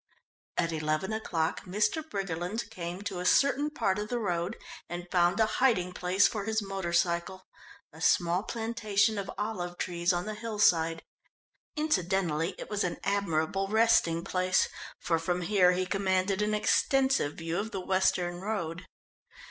At eleven o'clock Mr. Briggerland came to a certain part of the road and found a hiding place for his motor cycle a small plantation of olive trees on the hill side. Incidentally it was an admirable resting place, for from here he commanded an extensive view of the western road.